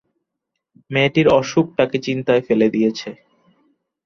মেয়েটির অসুখ তাঁকে চিন্তায় ফেলে দিয়েছে।